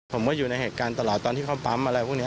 ผมก็อยู่ในเหตุการณ์ตลอดตอนที่เขาปั๊มอะไรพวกนี้